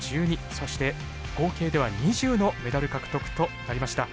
そして合計では２０のメダル獲得となりました。